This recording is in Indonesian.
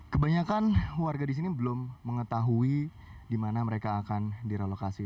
kebanyakan warga di sini belum mengetahui di mana mereka akan direlokasi